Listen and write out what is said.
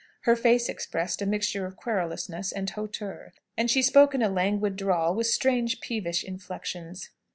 Her face expressed a mixture of querulousness and hauteur, and she spoke in a languid drawl, with strange peevish inflections.